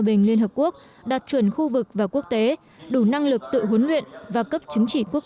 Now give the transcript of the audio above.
bình liên hợp quốc đạt chuẩn khu vực và quốc tế đủ năng lực tự huấn luyện và cấp chứng chỉ quốc